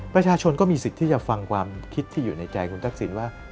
ก็มีสิทธิ์ที่จะฟังความคิดที่อยู่ในใจคุณทักษิณว่า